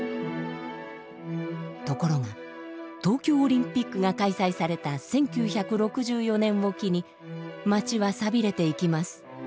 ところが東京オリンピックが開催された１９６４年を機に街は寂れていきます。